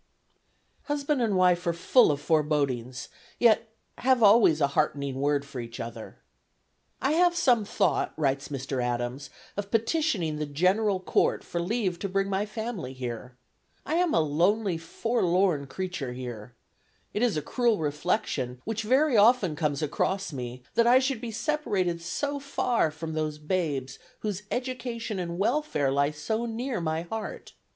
Husband and wife are full of forebodings, yet have always a heartening word for each other. "I have some thought," writes Mr. Adams, "of petitioning the General Court for leave to bring my family here. I am a lonely, forlorn creature here. ... It is a cruel reflection, which very often comes across me, that I should be separated so far from those babes whose education and welfare lie so near my heart.